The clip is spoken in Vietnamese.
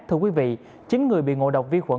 thưa quý vị chín người bị ngộ độc vi khuẩn